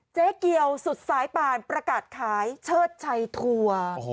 แจ๊เกียวสุดสายปราณประกาศคลายเชิดชัยถว